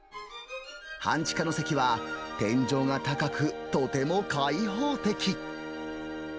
半地下の席は天井が高く、とても開放的。